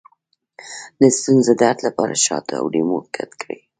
د ستوني درد لپاره شات او لیمو ګډ کړئ